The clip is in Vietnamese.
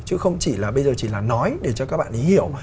chứ không chỉ là bây giờ chỉ là nói để cho các bạn ý hiểu